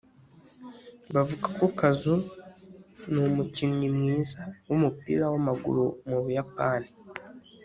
Bavuga ko Kazu numukinnyi mwiza wumupira wamaguru mu Buyapani